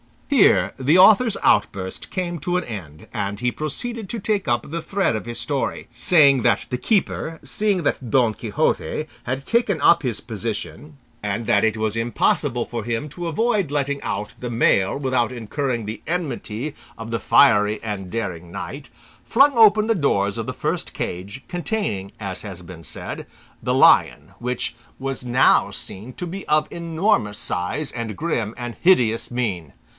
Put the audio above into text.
Here the author's outburst came to an end, and he proceeded to take up the thread of his story, saying that the keeper, seeing that Don Quixote had taken up his position, and that it was impossible for him to avoid letting out the male without incurring the enmity of the fiery and daring knight, flung open the doors of the first cage, containing, as has been said, the lion, which was now seen to be of enormous size, and grim and hideous mien.